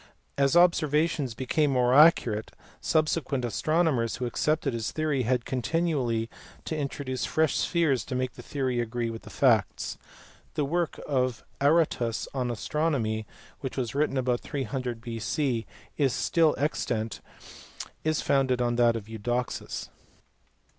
As observations became more accurate, sub sequent astronomers who accepted his theory had continually to introduce fresh spheres to make the theory agree with the facts. The work of Aratus on astronomy, which was written about 300 B.C. and is still extant, is founded on that of Eudoxus.